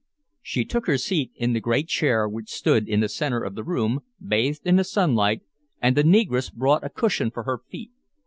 She took her seat in the great chair which stood in the centre of the room, bathed in the sunlight, and the negress brought a cushion for her feet.